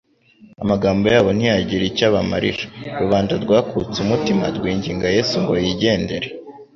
Amagambo yabo ntiyagira icyo abamarira. Rubanda rwakutse umutima rwinginga Yesu ngo yigendere.